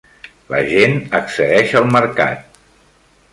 La gent accedeix al mercat.